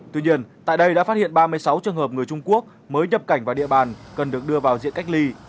tuy nhiên tại đây đã phát hiện ba mươi sáu trường hợp người trung quốc mới nhập cảnh vào địa bàn cần được đưa vào diện cách ly